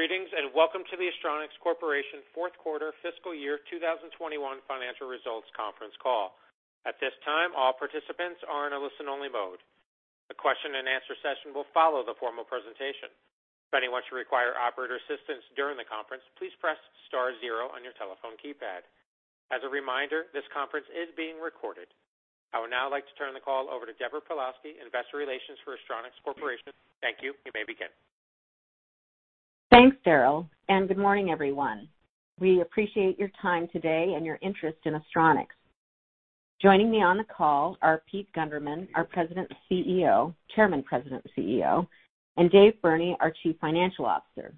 Greetings, and welcome to the Astronics Corporation fourth quarter fiscal year 2021 financial results conference call. At this time, all participants are in a listen-only mode. A question and answer session will follow the formal presentation. If anyone should require operator assistance during the conference, please press star zero on your telephone keypad. As a reminder, this conference is being recorded. I would now like to turn the call over to Deborah Pawlowski, investor relations for Astronics Corporation. Thank you. You may begin. Thanks, Daryl, and good morning, everyone. We appreciate your time today and your interest in Astronics. Joining me on the call are Pete Gundermann, our Chairman, President, CEO, and Dave Burney, our Chief Financial Officer.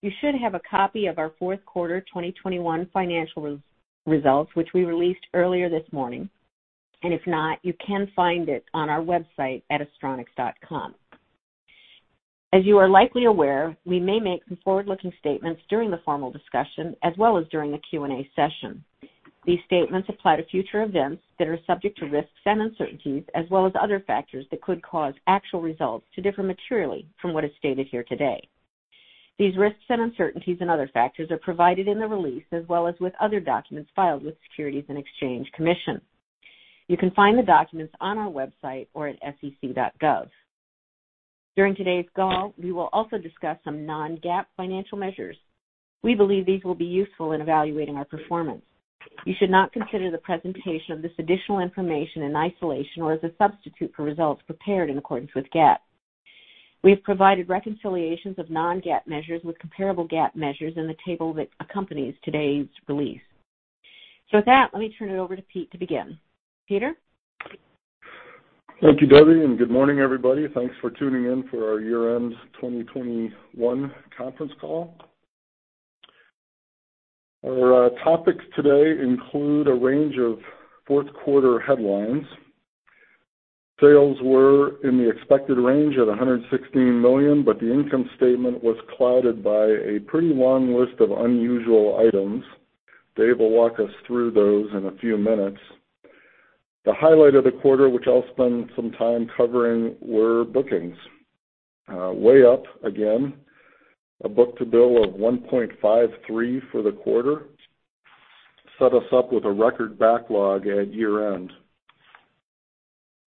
You should have a copy of our fourth quarter 2021 financial results which we released earlier this morning. If not, you can find it on our website at astronics.com. As you are likely aware, we may make some forward-looking statements during the formal discussion as well as during the Q&A session. These statements apply to future events that are subject to risks and uncertainties as well as other factors that could cause actual results to differ materially from what is stated here today. These risks and uncertainties and other factors are provided in the release as well as with other documents filed with Securities and Exchange Commission. You can find the documents on our website or at sec.gov. During today's call, we will also discuss some non-GAAP financial measures. We believe these will be useful in evaluating our performance. You should not consider the presentation of this additional information in isolation or as a substitute for results prepared in accordance with GAAP. We have provided reconciliations of non-GAAP measures with comparable GAAP measures in the table that accompanies today's release. With that, let me turn it over to Pete to begin. Peter? Thank you, Debbie, and good morning, everybody. Thanks for tuning in for our year-end 2021 conference call. Our topics today include a range of fourth quarter headlines. Sales were in the expected range at $116 million, but the income statement was clouded by a pretty long list of unusual items. Dave will walk us through those in a few minutes. The highlight of the quarter, which I'll spend some time covering, were bookings. Way up again. A book-to-bill of 1.53 for the quarter set us up with a record backlog at year-end.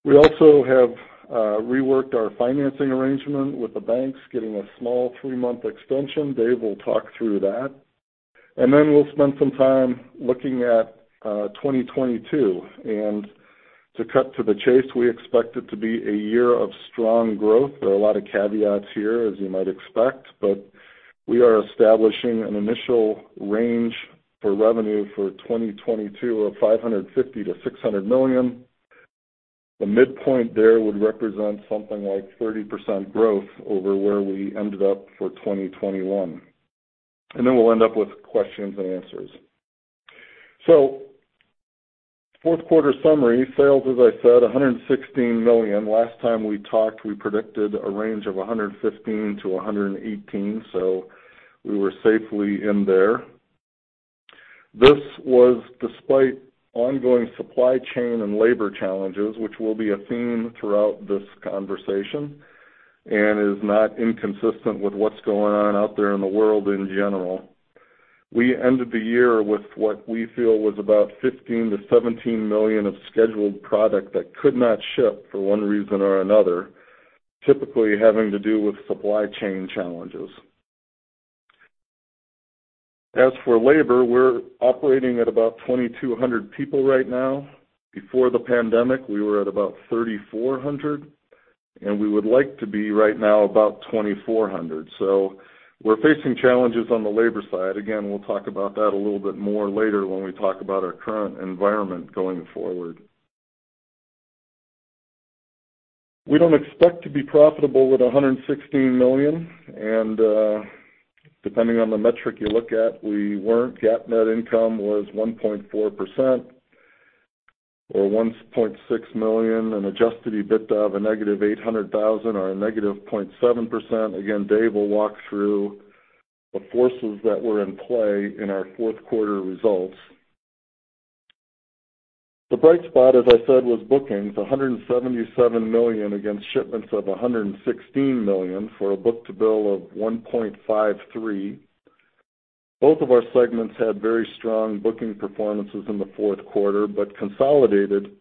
We also have reworked our financing arrangement with the banks, getting a small 3-month extension. Dave will talk through that. We'll spend some time looking at 2022. To cut to the chase, we expect it to be a year of strong growth. There are a lot of caveats here, as you might expect, but we are establishing an initial range for revenue for 2022 of $550 million-$600 million. The midpoint there would represent something like 30% growth over where we ended up for 2021. Then we'll end up with questions and answers. Fourth quarter summary, sales, as I said, $116 million. Last time we talked, we predicted a range of $115 million-$118 million, so we were safely in there. This was despite ongoing supply chain and labor challenges, which will be a theme throughout this conversation and is not inconsistent with what's going on out there in the world in general. We ended the year with what we feel was about $15 million-$17 million of scheduled product that could not ship for one reason or another, typically having to do with supply chain challenges. As for labor, we're operating at about 2,200 people right now. Before the pandemic, we were at about 3,400, and we would like to be right now about 2,400. We're facing challenges on the labor side. Again, we'll talk about that a little bit more later when we talk about our current environment going forward. We don't expect to be profitable at $116 million, and, depending on the metric you look at, we weren't. GAAP net income was 1.4% or $1.6 million, an adjusted EBITDA of -$800,000 or -0.7%. Again, Dave will walk through the forces that were in play in our fourth quarter results. The bright spot, as I said, was bookings, $177 million against shipments of $116 million for a book-to-bill of 1.53. Both of our segments had very strong booking performances in the fourth quarter, but consolidated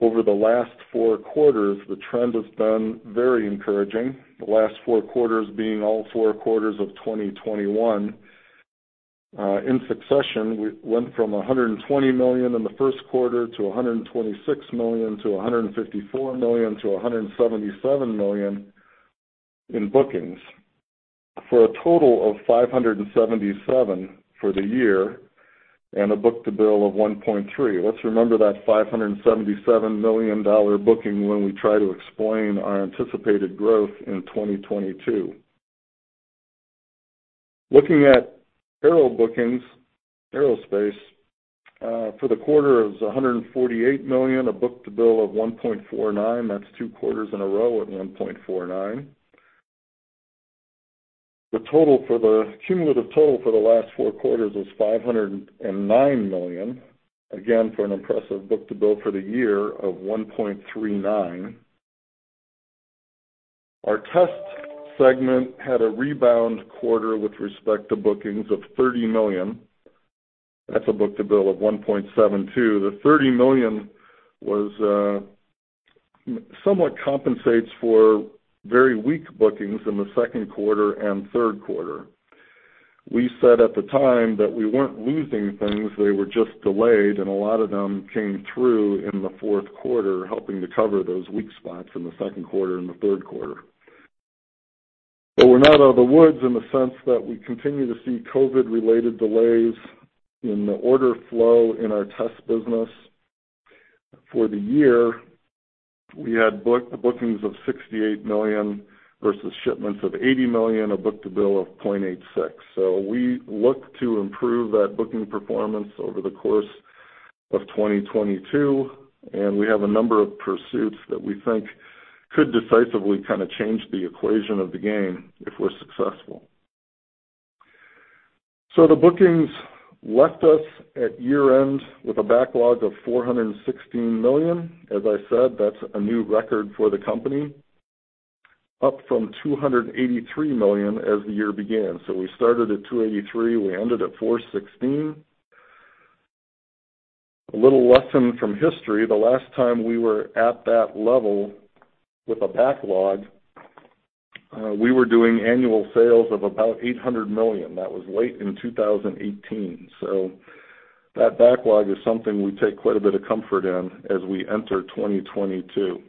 over the last four quarters, the trend has been very encouraging. The last four quarters being all four quarters of 2021. In succession, we went from $120 million in the first quarter to $126 million to $154 million to $177 million in bookings for a total of $577 million for the year and a book-to-bill of 1.3. Let's remember that $577 million booking when we try to explain our anticipated growth in 2022. Looking at aero bookings, aerospace, for the quarter is $148 million, a book-to-bill of 1.49. That's two quarters in a row at 1.49. The cumulative total for the last four quarters was $509 million, again, for an impressive book-to-bill for the year of 1.39. Our test segment had a rebound quarter with respect to bookings of $30 million. That's a book-to-bill of 1.72. The $30 million was somewhat compensates for very weak bookings in the second quarter and third quarter. We said at the time that we weren't losing things, they were just delayed, and a lot of them came through in the fourth quarter, helping to cover those weak spots in the second quarter and the third quarter. We're not out of the woods in the sense that we continue to see COVID-related delays in the order flow in our test business. For the year, we had bookings of $68 million versus shipments of $80 million, a book-to-bill of 0.86. We look to improve that booking performance over the course of 2022, and we have a number of pursuits that we think could decisively kind of change the equation of the game if we're successful. The bookings left us at year-end with a backlog of $416 million. As I said, that's a new record for the company, up from $283 million as the year began. We started at $283 million, we ended at $416 million. A little lesson from history. The last time we were at that level with a backlog, we were doing annual sales of about $800 million. That was late in 2018. That backlog is something we take quite a bit of comfort in as we enter 2022.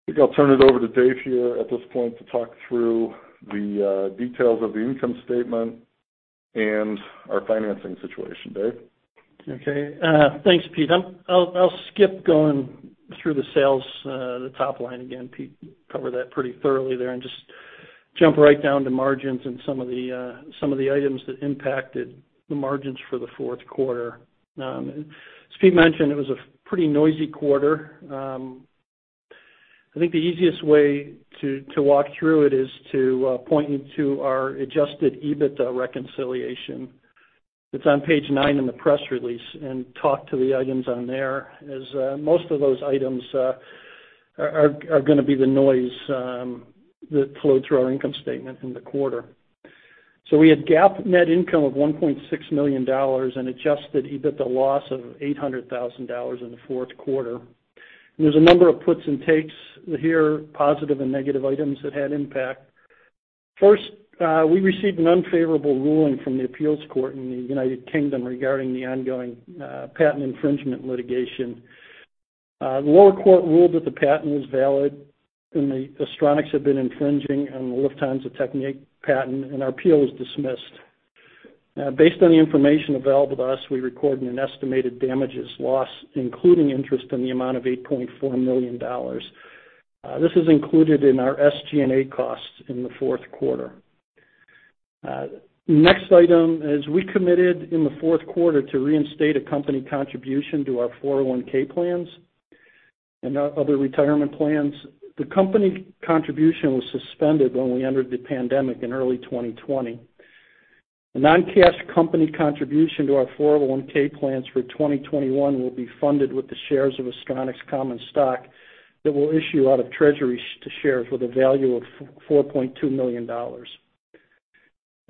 I think I'll turn it over to Dave here at this point to talk through the details of the income statement and our financing situation. Dave? Okay. Thanks, Pete. I'll skip going through the sales, the top line again. Pete covered that pretty thoroughly there, and just jump right down to margins and some of the items that impacted the margins for the fourth quarter. As Pete mentioned, it was a fairly noisy quarter. I think the easiest way to walk through it is to point you to our adjusted EBITDA reconciliation. It's on page nine in the press release, and talk to the items on there, as most of those items are gonna be the noise that flowed through our income statement in the quarter. We had GAAP net income of $1.6 million and adjusted EBITDA loss of $800 thousand in the fourth quarter. There's a number of puts and takes here, positive and negative items that had impact. First, we received an unfavorable ruling from the appeals court in the United Kingdom regarding the ongoing patent infringement litigation. The lower court ruled that the patent was valid and that Astronics had been infringing on Lufthansa Technik, and our appeal was dismissed. Based on the information available to us, we recorded an estimated damages loss, including interest in the amount of $8.4 million. This is included in our SG&A costs in the fourth quarter. Next item is we committed in the fourth quarter to reinstate a company contribution to our 401(k) plans and other retirement plans. The company contribution was suspended when we entered the pandemic in early 2020. A non-cash company contribution to our 401-K plans for 2021 will be funded with the shares of Astronics common stock that we'll issue out of treasury shares with a value of $4.2 million.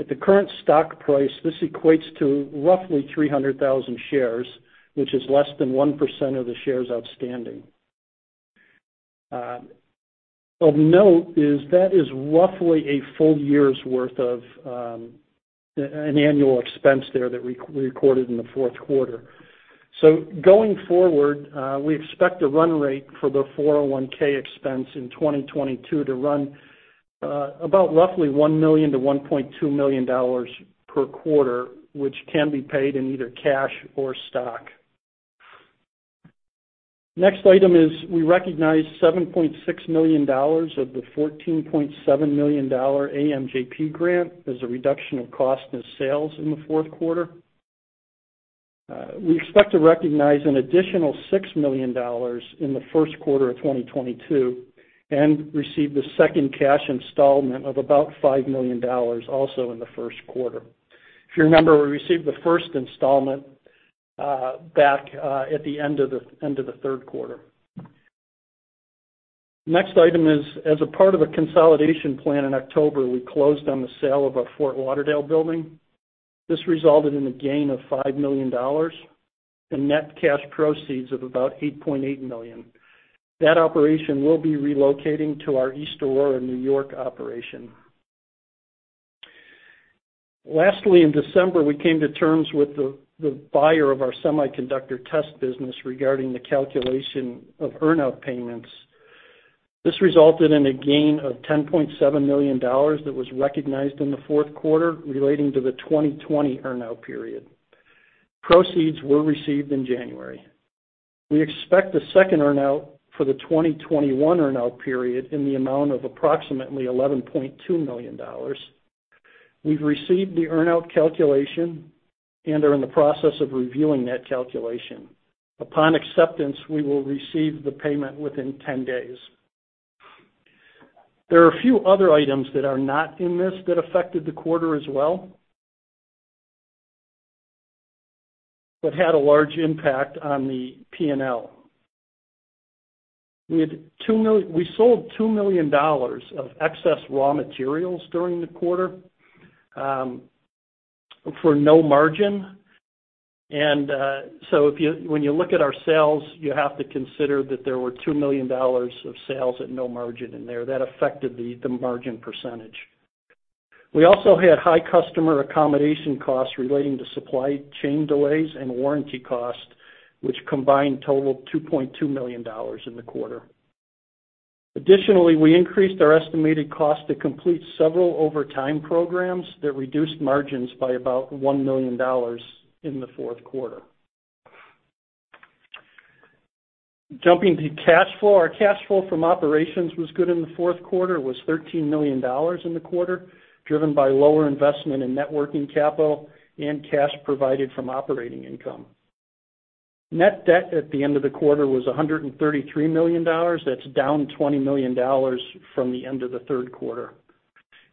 At the current stock price, this equates to roughly 300,000 shares, which is less than 1% of the shares outstanding. Of note is that is roughly a full year's worth of an annual expense there that we recorded in the fourth quarter. Going forward, we expect a run rate for the 401 expense in 2022 to run about roughly $1 million-$1.2 million per quarter, which can be paid in either cash or stock. Next item is we recognized $7.6 million of the $14.7 million AMJP grant as a reduction of cost of sales in the fourth quarter. We expect to recognize an additional $6 million in the first quarter of 2022 and receive the second cash installment of about $5 million also in the first quarter. If you remember, we received the first installment back at the end of the third quarter. Next item is as a part of a consolidation plan in October, we closed on the sale of our Fort Lauderdale building. This resulted in a gain of $5 million and net cash proceeds of about $8.8 million. That operation will be relocating to our East Aurora, New York operation. Lastly, in December, we came to terms with the buyer of our semiconductor test business regarding the calculation of earn-out payments. This resulted in a gain of $10.7 million that was recognized in the fourth quarter relating to the 2020 earn-out period. Proceeds were received in January. We expect a second earn-out for the 2021 earn-out period in the amount of approximately $11.2 million. We've received the earn-out calculation and are in the process of reviewing that calculation. Upon acceptance, we will receive the payment within 10 days. There are a few other items that are not in this that affected the quarter as well but had a large impact on the P&L. We sold $2 million of excess raw materials during the quarter for no margin. When you look at our sales, you have to consider that there were $2 million of sales at no margin in there. That affected the margin percentage. We also had high customer accommodation costs relating to supply chain delays and warranty costs, which combined totaled $2.2 million in the quarter. Additionally, we increased our estimated cost to complete several overtime programs that reduced margins by about $1 million in the fourth quarter. Jumping to cash flow. Our cash flow from operations was good in the fourth quarter. It was $13 million in the quarter, driven by lower investment in net working capital and cash provided from operating income. Net debt at the end of the quarter was $133 million. That's down $20 million from the end of the third quarter.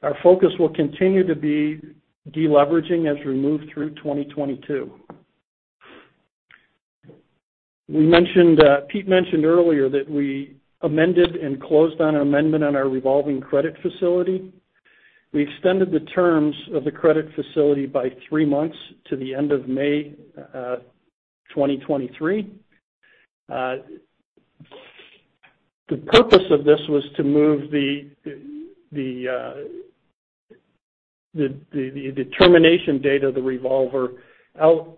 Our focus will continue to be de-leveraging as we move through 2022. We mentioned, Pete mentioned earlier that we amended and closed on an amendment on our revolving credit facility. We extended the terms of the credit facility by three months to the end of May 2023. The purpose of this was to move the termination date of the revolver out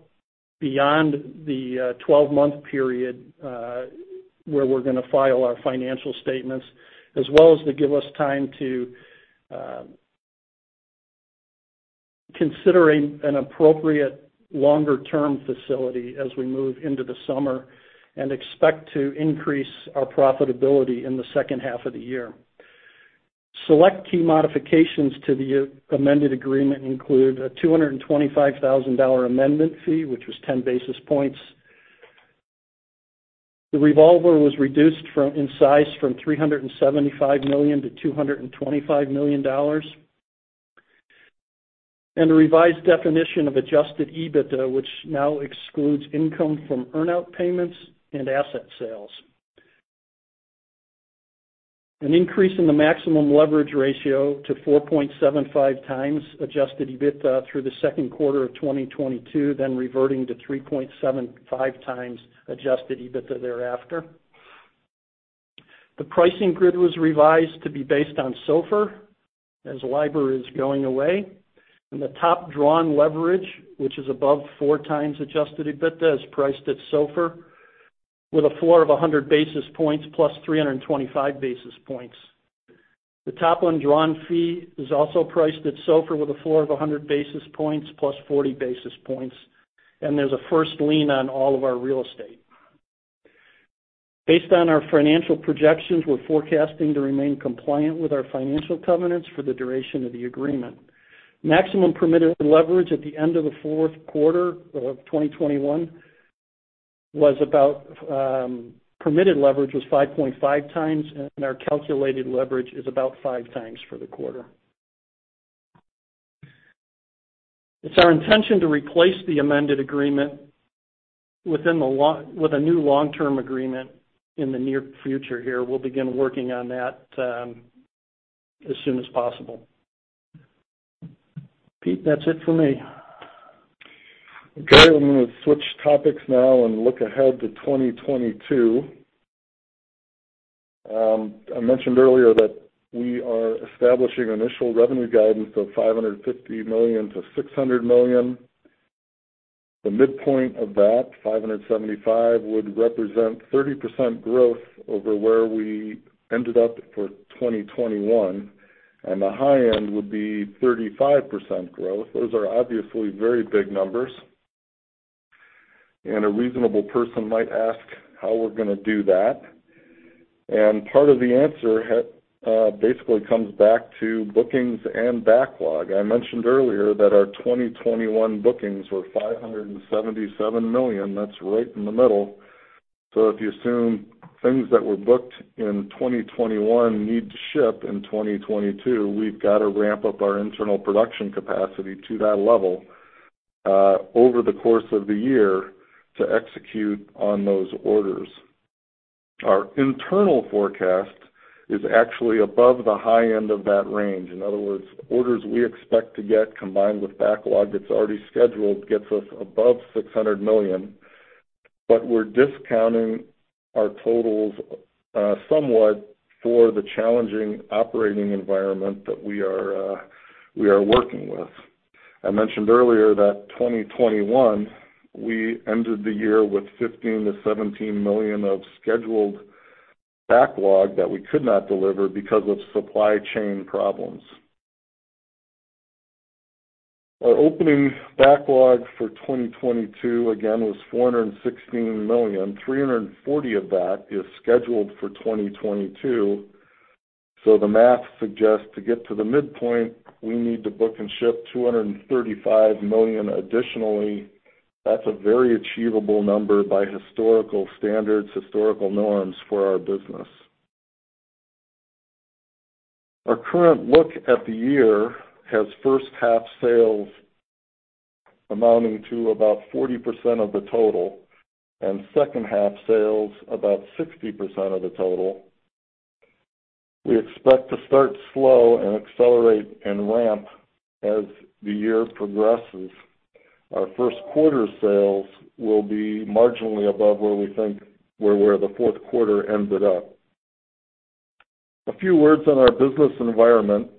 beyond the 12-month period where we're gonna file our financial statements, as well as to give us time to consider an appropriate longer-term facility as we move into the summer and expect to increase our profitability in the second half of the year. Select key modifications to the amended agreement include a $225,000 amendment fee, which was 10 basis points. The revolver was reduced in size from $375 million to $225 million. A revised definition of adjusted EBITDA, which now excludes income from earnout payments and asset sales. An increase in the maximum leverage ratio to 4.75x adjusted EBITDA through the second quarter of 2022, then reverting to 3.75x adjusted EBITDA thereafter. The pricing grid was revised to be based on SOFR as LIBOR is going away. The top drawn leverage, which is above 4x adjusted EBITDA, is priced at SOFR with a floor of 100 basis points plus 325 basis points. The top undrawn fee is also priced at SOFR with a floor of 100 basis points plus 40 basis points, and there's a first lien on all of our real estate. Based on our financial projections, we're forecasting to remain compliant with our financial covenants for the duration of the agreement. Maximum permitted leverage at the end of the fourth quarter of 2021 was 5.5x, and our calculated leverage is about 5x for the quarter. It's our intention to replace the amended agreement with a new long-term agreement in the near future here. We'll begin working on that as soon as possible. Pete, that's it for me. Okay. I'm gonna switch topics now and look ahead to 2022. I mentioned earlier that we are establishing initial revenue guidance of $550 million-$600 million. The midpoint of that, $575 million, would represent 30% growth over where we ended up for 2021, and the high end would be 35% growth. Those are obviously very big numbers, and a reasonable person might ask how we're gonna do that. Part of the answer basically comes back to bookings and backlog. I mentioned earlier that our 2021 bookings were $577 million. That's right in the middle. If you assume things that were booked in 2021 need to ship in 2022, we've got to ramp up our internal production capacity to that level over the course of the year to execute on those orders. Our internal forecast is actually above the high end of that range. In other words, orders we expect to get combined with backlog that's already scheduled gets us above $600 million, but we're discounting our totals somewhat for the challenging operating environment that we are working with. I mentioned earlier that 2021, we ended the year with $15 million-$17 million of scheduled backlog that we could not deliver because of supply chain problems. Our opening backlog for 2022, again, was $416 million. $340 million of that is scheduled for 2022. The math suggests to get to the midpoint, we need to book and ship $235 million additionally. That's a very achievable number by historical standards, historical norms for our business. Our current look at the year has first half sales amounting to about 40% of the total, and second half sales about 60% of the total. We expect to start slow and accelerate and ramp as the year progresses. Our first quarter sales will be marginally above where we think the fourth quarter ended up. A few words on our business environment.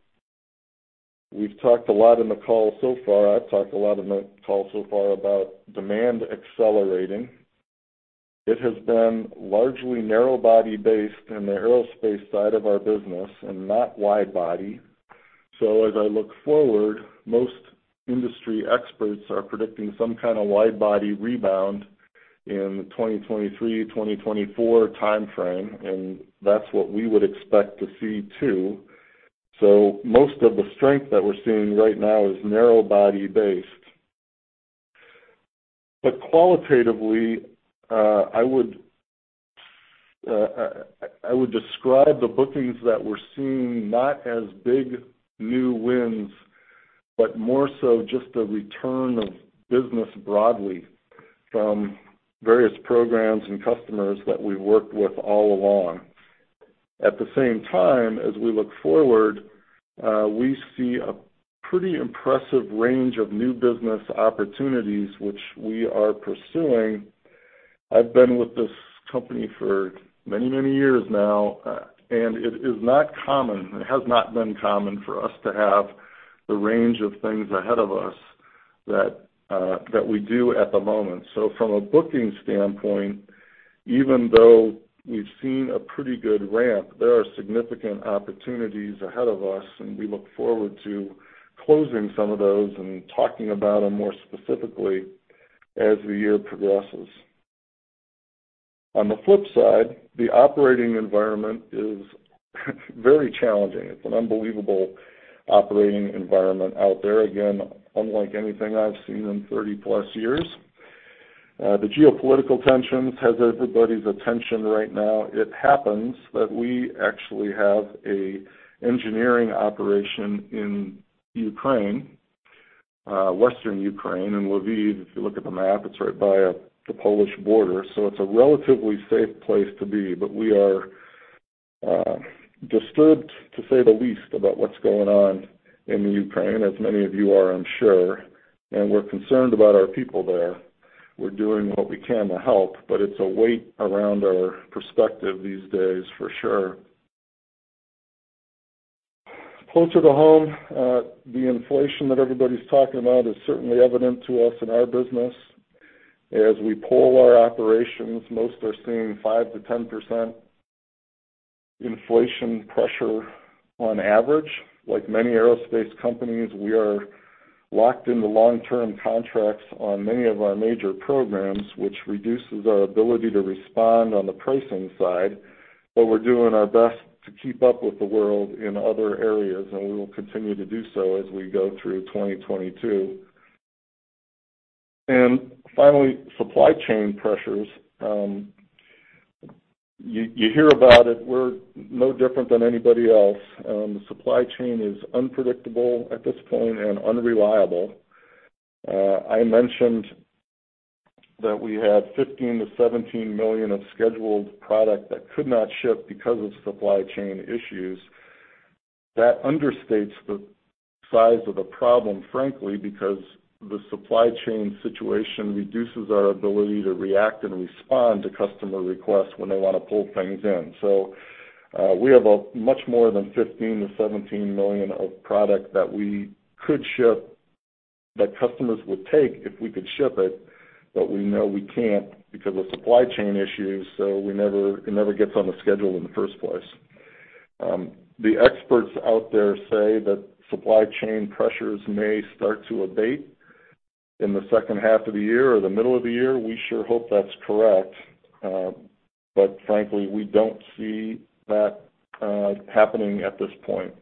We've talked a lot in the call so far. I've talked a lot in the call so far about demand accelerating. It has been largely narrow body based in the aerospace side of our business and not wide body. As I look forward, most industry experts are predicting some kind of wide body rebound in the 2023-2024 timeframe, and that's what we would expect to see too. Most of the strength that we're seeing right now is narrow body based. Qualitatively, I would describe the bookings that we're seeing not as big new wins, but more so just a return of business broadly from various programs and customers that we've worked with all along. At the same time, as we look forward, we see a pretty impressive range of new business opportunities which we are pursuing. I've been with this company for many, many years now, and it is not common, it has not been common for us to have the range of things ahead of us that we do at the moment. From a booking standpoint, even though we've seen a pretty good ramp, there are significant opportunities ahead of us, and we look forward to closing some of those and talking about them more specifically as the year progresses. On the flip side, the operating environment is very challenging. It's an unbelievable operating environment out there, again, unlike anything I've seen in 30+ years. The geopolitical tensions has everybody's attention right now. It happens that we actually have a engineering operation in Ukraine, Western Ukraine, in Lviv. If you look at the map, it's right by the Polish border, so it's a relatively safe place to be. We are disturbed, to say the least, about what's going on in the Ukraine, as many of you are, I'm sure. We're concerned about our people there. We're doing what we can to help, but it's a weight around our perspective these days, for sure. Closer to home, the inflation that everybody's talking about is certainly evident to us in our business. As we poll our operations, most are seeing 5%-10% inflation pressure on average. Like many aerospace companies, we are locked into long-term contracts on many of our major programs, which reduces our ability to respond on the pricing side, but we're doing our best to keep up with the world in other areas, and we will continue to do so as we go through 2022. Finally, supply chain pressures. You hear about it. We're no different than anybody else. The supply chain is unpredictable at this point and unreliable. I mentioned that we had $15 million-$17 million of scheduled product that could not ship because of supply chain issues. That understates the size of the problem, frankly, because the supply chain situation reduces our ability to react and respond to customer requests when they wanna pull things in. We have much more than $15 million-$17 million of product that we could ship, that customers would take if we could ship it, but we know we can't because of supply chain issues, so it never gets on the schedule in the first place. The experts out there say that supply chain pressures may start to abate in the second half of the year or the middle of the year. We sure hope that's correct. Frankly, we don't see that happening at this point.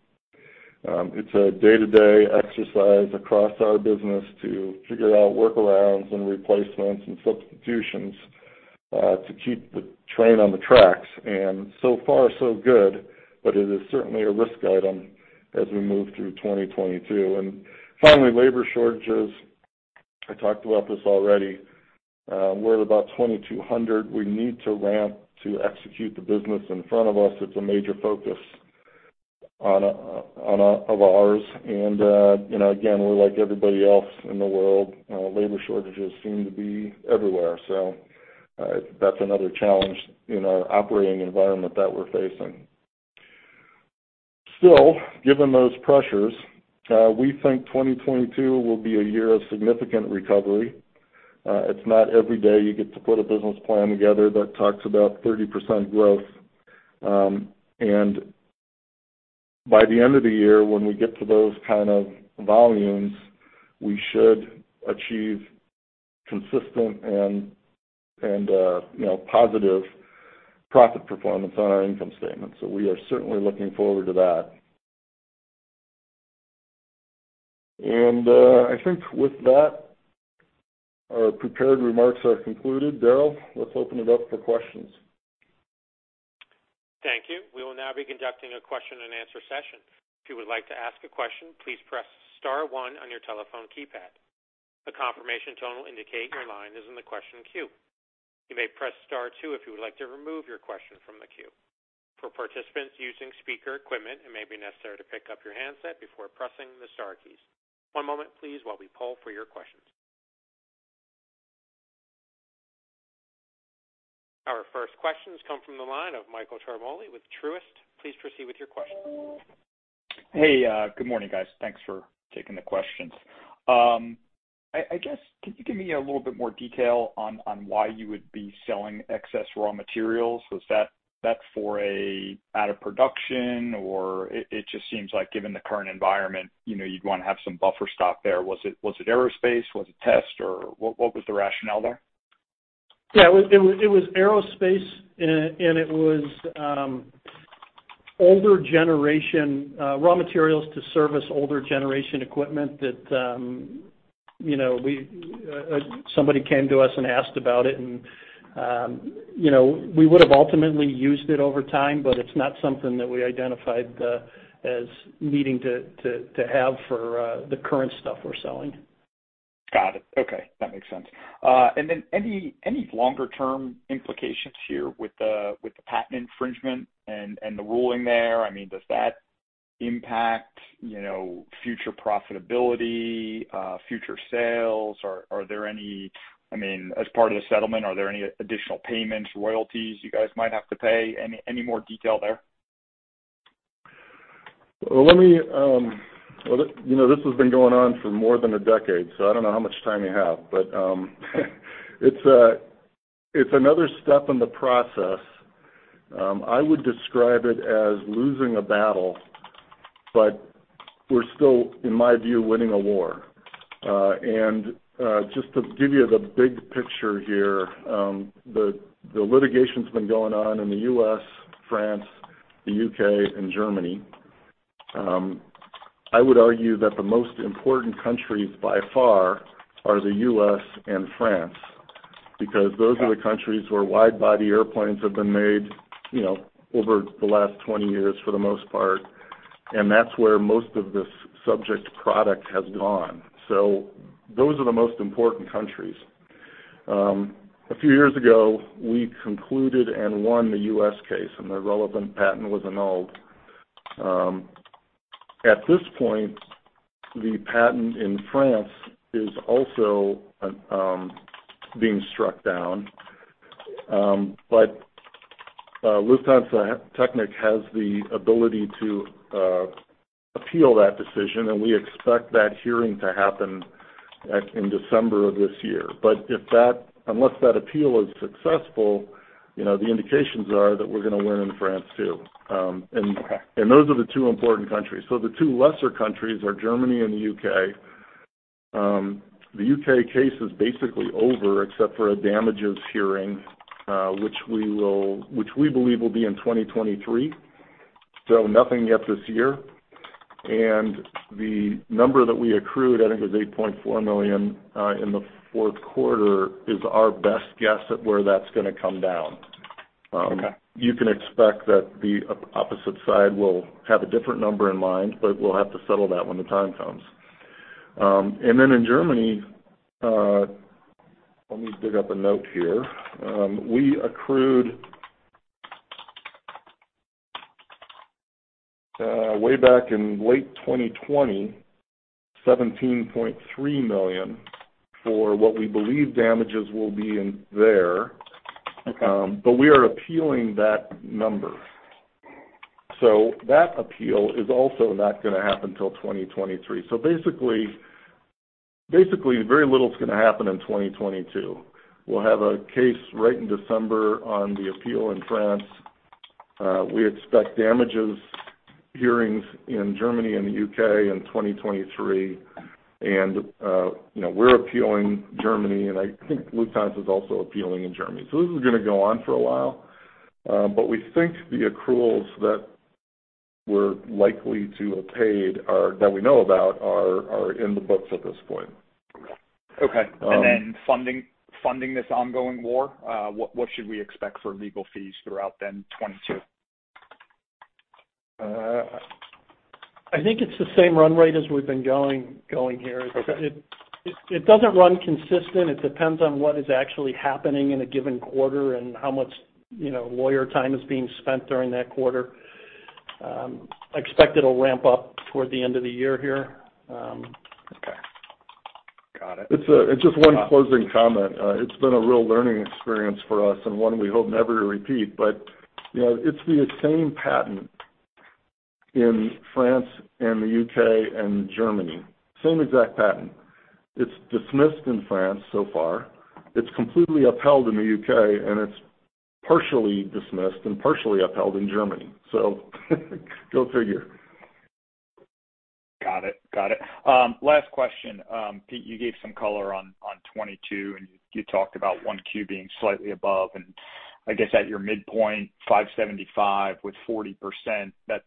It's a day-to-day exercise across our business to figure out workarounds and replacements and substitutions, to keep the train on the tracks. So far so good, but it is certainly a risk item as we move through 2022. Finally, labor shortages. I talked about this already. We're at about 2,200. We need to ramp to execute the business in front of us. It's a major focus of ours. You know, again, we're like everybody else in the world. Labor shortages seem to be everywhere. That's another challenge in our operating environment that we're facing. Still, given those pressures, we think 2022 will be a year of significant recovery. It's not every day you get to put a business plan together that talks about 30% growth. By the end of the year, when we get to those kind of volumes, we should achieve consistent and, you know, positive profit performance on our income statement. We are certainly looking forward to that. I think with that, our prepared remarks are concluded. Daryl, let's open it up for questions. Thank you. We will now be conducting a question and answer session. If you would like to ask a question, please press star one on your telephone keypad. A confirmation tone will indicate your line is in the question queue. You may press star two if you would like to remove your question from the queue. For participants using speaker equipment, it may be necessary to pick up your handset before pressing the star keys. One moment, please, while we poll for your questions. Our first questions come from the line of Michael Ciarmoli with Truist. Please proceed with your question. Hey, good morning, guys. Thanks for taking the questions. I guess, could you give me a little bit more detail on why you would be selling excess raw materials? Was that for an out of production, or it just seems like given the current environment, you know, you'd wanna have some buffer stock there. Was it aerospace? Was it test, or what was the rationale there? Yeah. It was aerospace and it was older generation raw materials to service older generation equipment that you know we somebody came to us and asked about it and you know we would've ultimately used it over time, but it's not something that we identified as needing to have for the current stuff we're selling. Got it. Okay, that makes sense. Any longer term implications here with the patent infringement and the ruling there? I mean, does that impact, you know, future profitability, future sales? Are there any? I mean, as part of the settlement, are there any additional payments, royalties you guys might have to pay? Any more details there? Well, let me, you know, this has been going on for more than a decade, so I don't know how much time you have. It's another step in the process. I would describe it as losing a battle, but we're still, in my view, winning a war. Just to give you the big picture here, the litigation's been going on in the U.S., France, the U.K., and Germany. I would argue that the most important countries by far are the U.S. and France because those are the countries where wide body airplanes have been made, you know, over the last 20 years for the most part, and that's where most of this subject product has gone. Those are the most important countries. A few years ago, we concluded and won the U.S. case, and the relevant patent was annulled. At this point, the patent in France is also being struck down. Lufthansa Technik has the ability to appeal that decision, and we expect that hearing to happen in December of this year. Unless that appeal is successful, you know, the indications are that we're gonna win in France too. Those are the two important countries. The two lesser countries are Germany and the U.K. The U.K. case is basically over except for a damages hearing, which we believe will be in 2023. Nothing yet this year. The number that we accrued, I think, was $8.4 million in the fourth quarter, is our best guess at where that's gonna come down. Okay. You can expect that the opposite side will have a different number in mind, but we'll have to settle that when the time comes. Then in Germany, let me dig up a note here. We accrued way back in late 2020, $17.3 million for what we believe damages will be in there, but we are appealing that number. That appeal is also not gonna happen till 2023. Basically, very little is gonna happen in 2022. We'll have a case right in December on the appeal in France. We expect damages hearings in Germany and the U.K. in 2023. You know, we're appealing Germany, and I think Lufthansa is also appealing in Germany. This is gonna go on for a while, but we think the accruals that we're likely to have paid, that we know about, are in the books at this point. Okay. Um- Funding this ongoing war, what should we expect for legal fees throughout 2022? I think it's the same run rate as we've been going here. It doesn't run consistently. It depends on what is actually happening in a given quarter and how much, you know, lawyer time is being spent during that quarter. I expect it'll ramp up toward the end of the year here. Okay. Got it. It's just one closing comment. It's been a real learning experience for us and one we hope never to repeat. You know, it's the same patent in France and the U.K. and Germany. Same exact patent. It's dismissed in France so far. It's completely upheld in the U.K., and it's partially dismissed and partially upheld in Germany. Go figure. Got it. Last question. Pete, you gave some color on 2022, and you talked about 1Q being slightly above and I guess at your midpoint, $575 million with 40%, that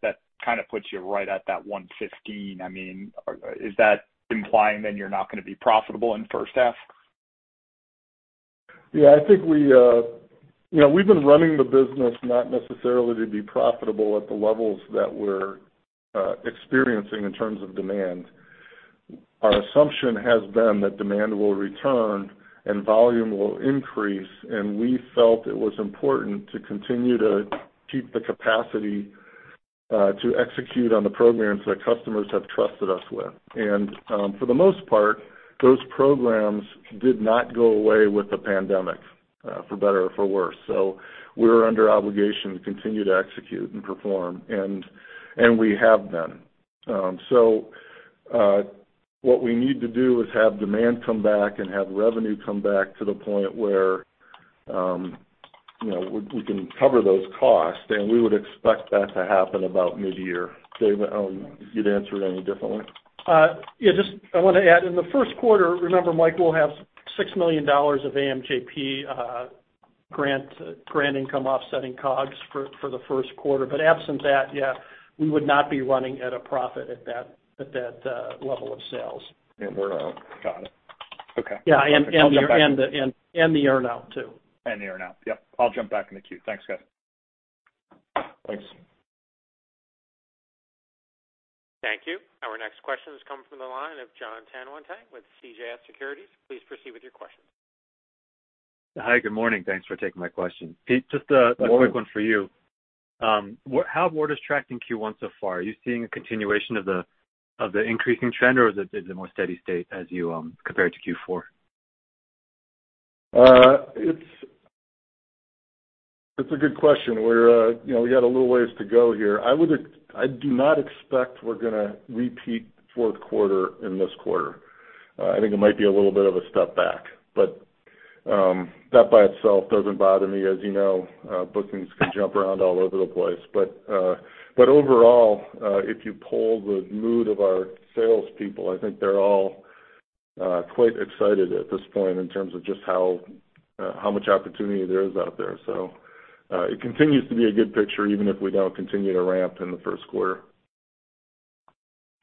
kind of puts you right at that $115 million. I mean, is that implying then you're not gonna be profitable in first half? Yeah, I think we, you know, we've been running the business not necessarily to be profitable at the levels that we're experiencing in terms of demand. Our assumption has been that demand will return and volume will increase, and we felt it was important to continue to keep the capacity to execute on the programs that customers have trusted us with. For the most part, those programs did not go away with the pandemic, for better or for worse. We're under obligation to continue to execute and perform, and we have been. What we need to do is have demand come back and have revenue come back to the point where, you know, we can cover those costs, and we would expect that to happen about mid-year. Dave, you'd answer it any differently? Yeah, just I wanna add, in the first quarter, remember, Mike, we'll have $6 million of AMJP grant income offsetting COGS for the first quarter. Absent that, yeah, we would not be running at a profit at that level of sales. Yeah. Got it. Okay. Yeah, and the earn-out too. The earn-out. Yep. I'll jump back in the queue. Thanks, guys. Thanks. Thank you. Our next question has come from the line of Jon Tanwanteng with CJS Securities. Please proceed with your question. Hi, good morning. Thanks for taking my question. Pete, just a quick one for you. How orders tracked in Q1 so far? Are you seeing a continuation of the increasing trend, or is it more steady state as you compare it to Q4? It's a good question. You know, we got a little ways to go here. I do not expect we're gonna repeat fourth quarter in this quarter. I think it might be a little bit of a step back, but that by itself doesn't bother me. As you know, bookings can jump around all over the place. But overall, if you poll the mood of our salespeople, I think they're all quite excited at this point in terms of just how much opportunity there is out there. It continues to be a good picture, even if we don't continue to ramp in the first quarter.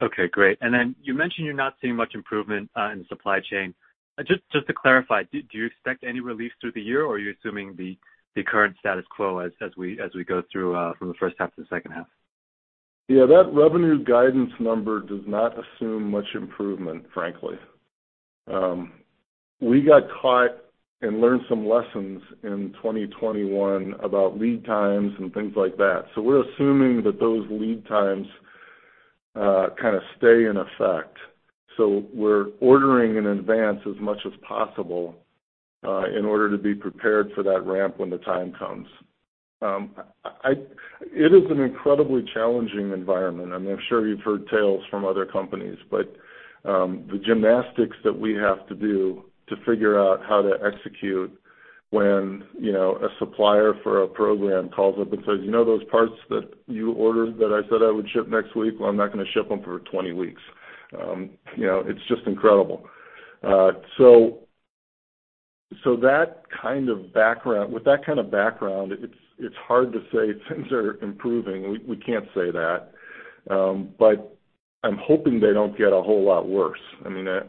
Okay, great. You mentioned you're not seeing much improvement in supply chain. Just to clarify, do you expect any relief through the year, or are you assuming the current status quo as we go through from the first half to the second half? Yeah, that revenue guidance number does not assume much improvement, frankly. We got caught and learned some lessons in 2021 about lead times and things like that. We're assuming that those lead times kind of stay in effect. We're ordering in advance as much as possible in order to be prepared for that ramp when the time comes. It is an incredibly challenging environment, and I'm sure you've heard tales from other companies. The gymnastics that we have to do to figure out how to execute when, you know, a supplier for a program calls up and says, "You know those parts that you ordered that I said I would ship next week? Well, I'm not gonna ship them for 20 weeks." You know, it's just incredible. With that kind of background, it's hard to say things are improving. We can't say that. I'm hoping they don't get a whole lot worse. I mean, I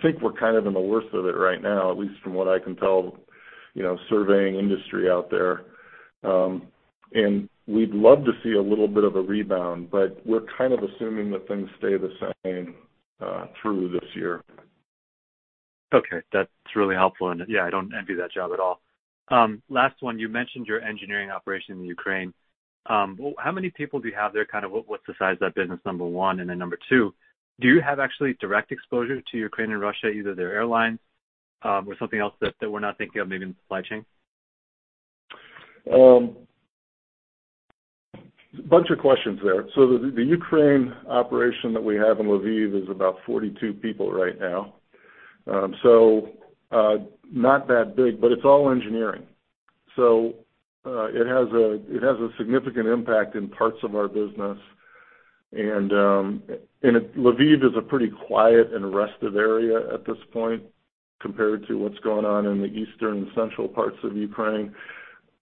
think we're kind of in the worst of it right now, at least from what I can tell, you know, surveying industry out there. We'd love to see a little bit of a rebound, but we're kind of assuming that things stay the same through this year. Okay. That's really helpful. Yeah, I don't envy that job at all. Last one, you mentioned your engineering operation in Ukraine. How many people do you have there? Kind of, what's the size of that business, number one. Then number two, do you have actually direct exposure to Ukraine and Russia, either their airlines, or something else that we're not thinking of, maybe in supply chain? Bunch of questions there. The Ukraine operation that we have in Lviv is about 42 people right now. Not that big, but it's all engineering. It has a significant impact in parts of our business. Lviv is a pretty quiet and rested area at this point compared to what's going on in the eastern and central parts of Ukraine.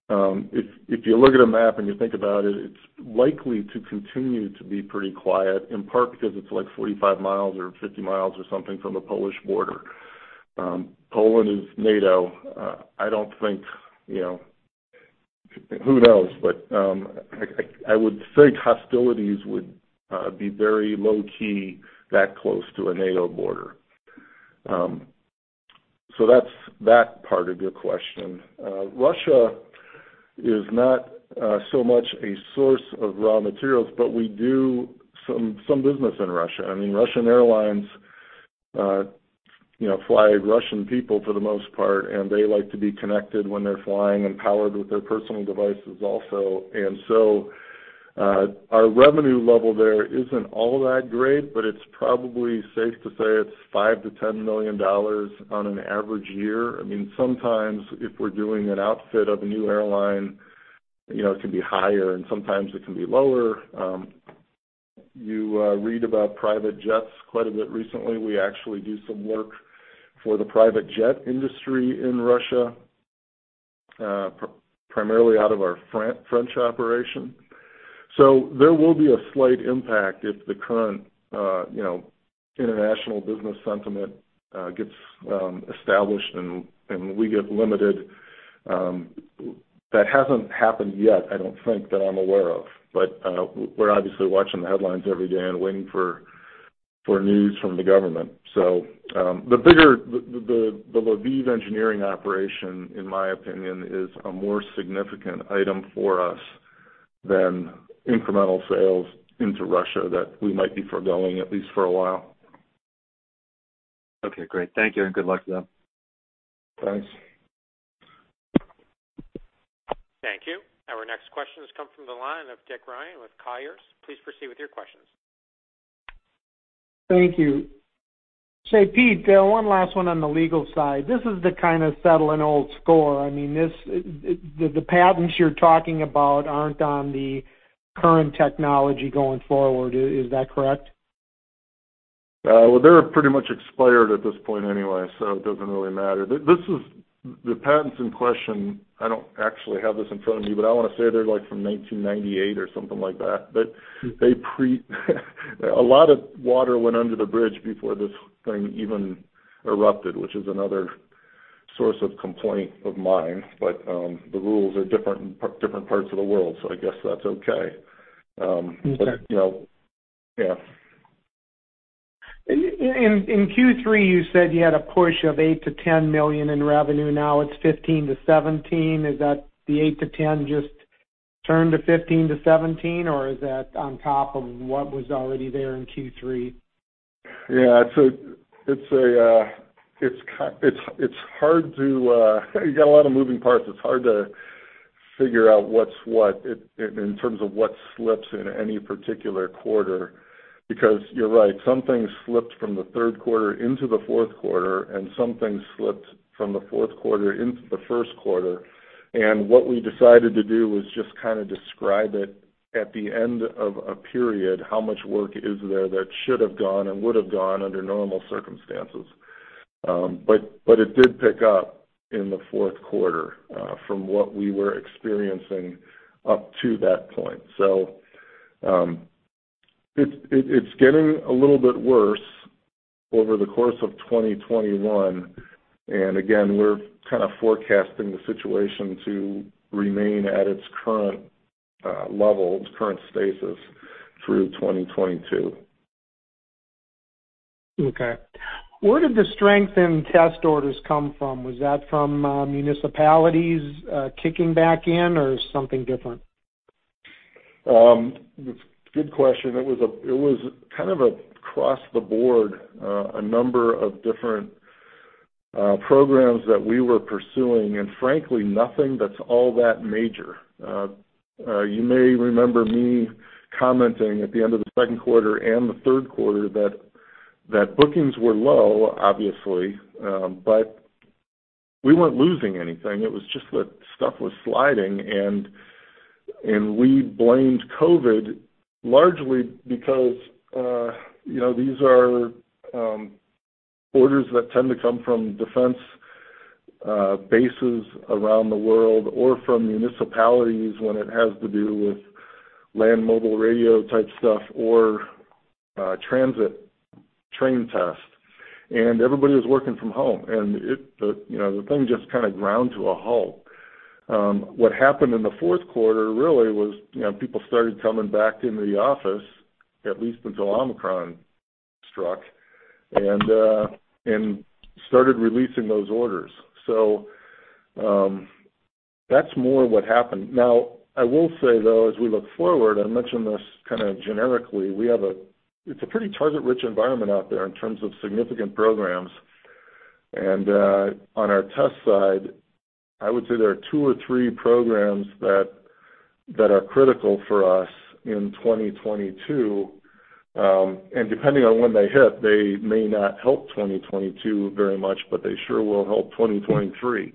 If you look at a map and you think about it's likely to continue to be pretty quiet, in part because it's like 45 miles or 50 miles or something from the Polish border. Poland is NATO. I don't think, you know. Who knows? I would think hostilities would be very low key that close to a NATO border. That's that part of your question. Russia is not so much a source of raw materials, but we do some business in Russia. I mean, Russian airlines, you know, fly Russian people for the most part, and they like to be connected when they're flying and powered with their personal devices also. Our revenue level there isn't all that great, but it's probably safe to say it's $5 million-$10 million on an average year. I mean, sometimes if we're doing an outfit of a new airline, you know, it can be higher, and sometimes it can be lower. You read about private jets quite a bit recently. We actually do some work for the private jet industry in Russia, primarily out of our French operation. There will be a slight impact if the current international business sentiment gets established, and we get limited. That hasn't happened yet, I don't think, that I'm aware of. We're obviously watching the headlines every day and waiting for news from the government. The Lviv engineering operation, in my opinion, is a more significant item for us than incremental sales into Russia that we might be forgoing, at least for a while. Okay, great. Thank you, and good luck to y'all. Thanks. Thank you. Our next question has come from the line of Dick Ryan with Colliers. Please proceed with your questions. Thank you. Say, Pete, one last one on the legal side. This is to kind of settle an old score. I mean, this, the patents you're talking about aren't on the current technology going forward, is that correct? Well, they're pretty much expired at this point anyway, so it doesn't really matter. The patents in question, I don't actually have this in front of me, but I wanna say they're, like, from 1998 or something like that. A lot of water went under the bridge before this thing even erupted, which is another source of complaint of mine. The rules are different in different parts of the world, so I guess that's okay. You know, yeah. In Q3, you said you had a push of $8 million-$10 million in revenue. Now it's $15 million-$17 million. Is that the $8 million-$10 million just turned to $15 million-$17 million, or is that on top of what was already there in Q3? Yeah. It's hard to figure out what's what in terms of what slips in any particular quarter. You're right, some things slipped from the third quarter into the fourth quarter, and some things slipped from the fourth quarter into the first quarter. What we decided to do was just kind of describe it at the end of a period, how much work is there that should have gone and would have gone under normal circumstances. But it did pick up in the fourth quarter from what we were experiencing up to that point. It's getting a little bit worse over the course of 2021. Again, we're kind of forecasting the situation to remain at its current level, its current stasis through 2022. Okay. Where did the strength in test orders come from? Was that from municipalities kicking back in, or something different? Good question. It was kind of across the board, a number of different programs that we were pursuing, and frankly, nothing that's all that major. You may remember me commenting at the end of the second quarter and the third quarter that bookings were low, obviously, but we weren't losing anything. It was just that stuff was sliding, and we blamed COVID largely because, you know, these are orders that tend to come from defense bases around the world or from municipalities when it has to do with land mobile radio type stuff or transit train tests. Everybody was working from home, and, you know, the thing just kind of ground to a halt. What happened in the fourth quarter really was, you know, people started coming back into the office, at least until Omicron struck, and started releasing those orders. That's more what happened. Now, I will say though, as we look forward, I mentioned this kind of generically. We have a pretty target-rich environment out there in terms of significant programs. On our test side, I would say there are two or three programs that are critical for us in 2022. Depending on when they hit, they may not help 2022 very much, but they sure will help 2023.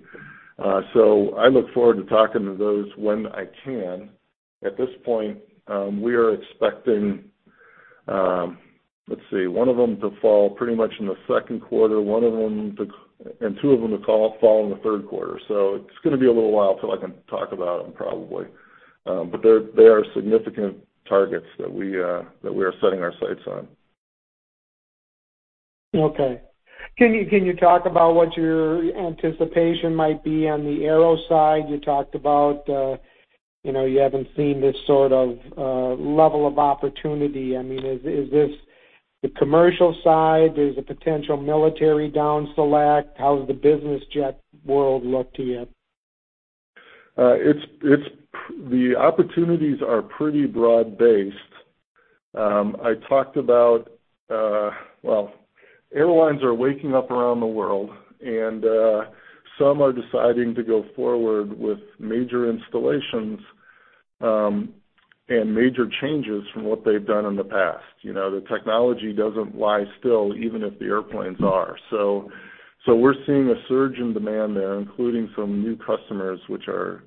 I look forward to talking to those when I can. At this point, we are expecting, let's see, one of them to fall pretty much in the second quarter, and two of them to fall in the third quarter. It's gonna be a little while till I can talk about them probably. They are significant targets that we are setting our sights on. Okay. Can you talk about what your anticipation might be on the aero side? You talked about, you know, you haven't seen this sort of level of opportunity. I mean, is this the commercial side? There's a potential military down select. How does the business jet world look to you? The opportunities are pretty broad-based. I talked about, well, airlines are waking up around the world, and some are deciding to go forward with major installations, and major changes from what they've done in the past. You know, the technology doesn't lie still, even if the airplanes are. So we're seeing a surge in demand there, including some new customers which are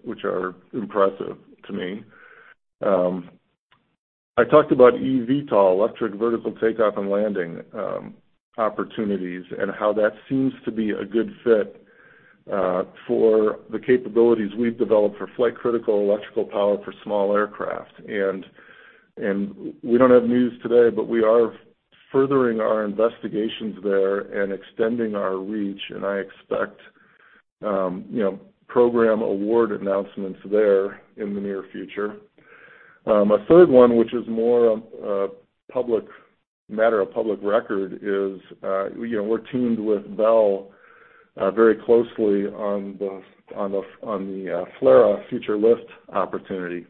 impressive to me. I talked about eVTOL, electric vertical takeoff and landing, opportunities and how that seems to be a good fit, for the capabilities we've developed for flight critical electrical power for small aircraft. We don't have news today, but we are furthering our investigations there and extending our reach, and I expect, you know, program award announcements there in the near future. A third one, which is more of a public matter of public record is, you know, we're teamed with Bell very closely on the FLRAA Future Lift opportunity.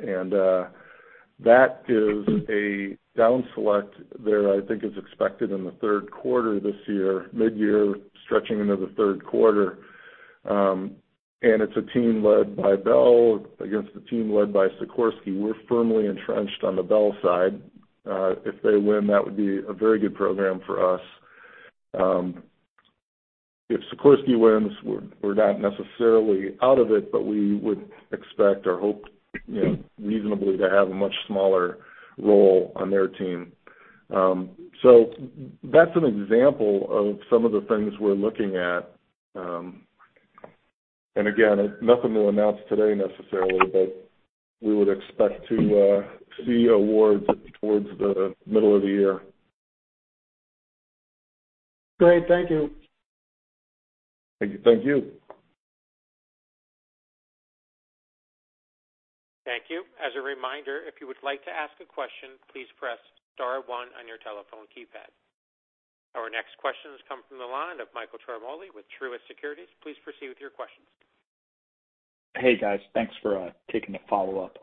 That is a down select there, I think is expected in the third quarter this year, midyear stretching into the third quarter. It's a team led by Bell against a team led by Sikorsky. We're firmly entrenched on the Bell side. If they win, that would be a very good program for us. If Sikorsky wins, we're not necessarily out of it, but we would expect or hope, you know, reasonably to have a much smaller role on their team. That's an example of some of the things we're looking at. Again, nothing to announce today necessarily, but we would expect to see awards towards the middle of the year. Great. Thank you. Thank you. Thank you. As a reminder, if you would like to ask a question, please press star one on your telephone keypad. Our next question comes from the line of Michael Ciarmoli with Truist Securities. Please proceed with your questions. Hey, guys. Thanks for taking the follow-up.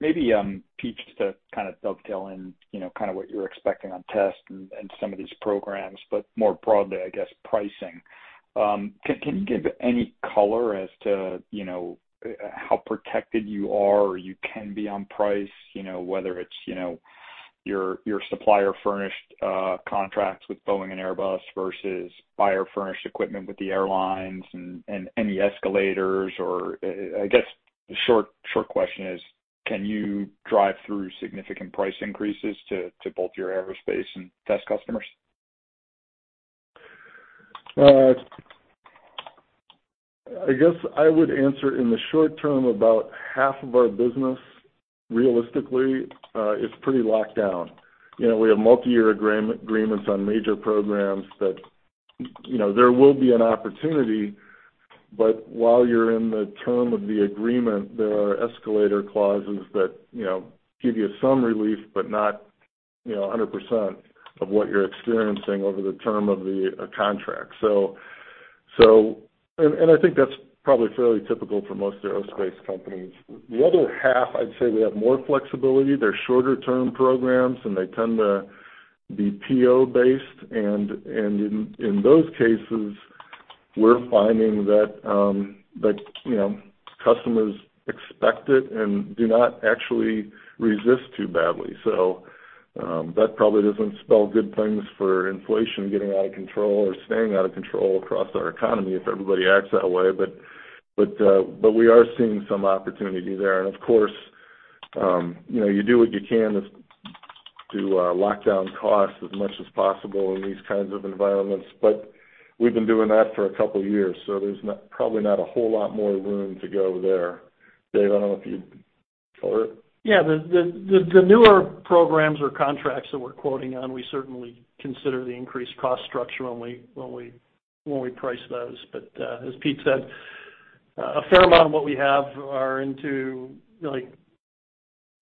Maybe Pete, just to kind of dovetail in, you know, kind of what you're expecting on test and some of these programs, but more broadly, I guess, pricing. Can you give any color as to, you know, how protected you are or you can be on price? You know, whether it's, you know, your supplier furnished contracts with Boeing and Airbus versus buyer furnished equipment with the airlines and any escalators or I guess the short question is, can you drive through significant price increases to both your aerospace and test customers? I guess I would answer in the short term about half of our business realistically is pretty locked down. You know, we have multi-year agreements on major programs that, you know, there will be an opportunity, but while you're in the term of the agreement, there are escalator clauses that, you know, give you some relief, but not, you know, 100% of what you're experiencing over the term of the contract. I think that's probably fairly typical for most aerospace companies. The other half, I'd say we have more flexibility. They're shorter term programs, and they tend to be PO based. In those cases, we're finding that, you know, customers expect it and do not actually resist too badly. That probably doesn't spell good things for inflation getting out of control or staying out of control across our economy if everybody acts that way. We are seeing some opportunity there. Of course, you know, you do what you can to lock down costs as much as possible in these kinds of environments. We've been doing that for a couple of years, so there's probably not a whole lot more room to go there. Dave, I don't know if you... Yeah. The newer programs or contracts that we're quoting on, we certainly consider the increased cost structure when we price those. As Pete said, a fair amount of what we have are into like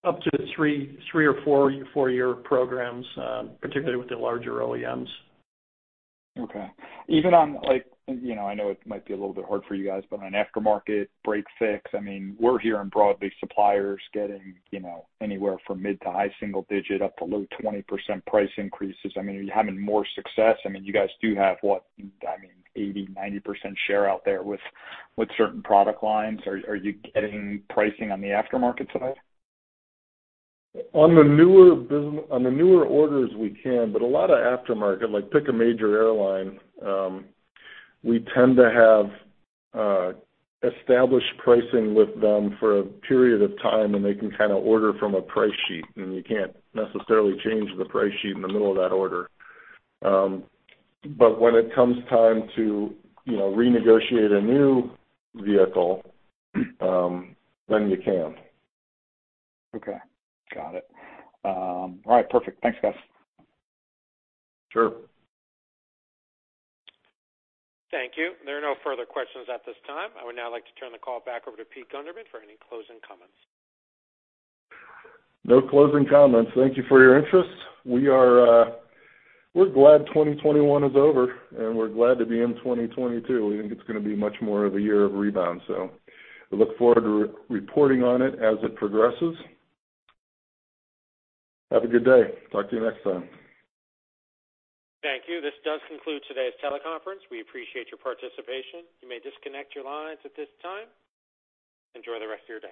up to three or four-year programs, particularly with the larger OEMs. Okay. Even on like, you know, I know it might be a little bit hard for you guys, but on aftermarket break fix, I mean, we're hearing broadly suppliers getting, you know, anywhere from mid- to high-single-digit up to low-20% price increases. I mean, are you having more success? I mean, you guys do have what, I mean, 80%-90% share out there with certain product lines. Are you getting pricing on the aftermarket side? On the newer orders we can, but a lot of aftermarket, like pick a major airline, we tend to have established pricing with them for a period of time, and they can kinda order from a price sheet, and you can't necessarily change the price sheet in the middle of that order. When it comes time to renegotiate a new vehicle, then you can. Okay. Got it. All right, perfect. Thanks, guys. Sure. Thank you. There are no further questions at this time. I would now like to turn the call back over to Pete Gundermann for any closing comments. No closing comments. Thank you for your interest. We're glad 2021 is over, and we're glad to be in 2022. We think it's gonna be much more of a year of rebound, so we look forward to re-reporting on it as it progresses. Have a good day. Talk to you next time. Thank you. This does conclude today's teleconference. We appreciate your participation. You may disconnect your lines at this time. Enjoy the rest of your day.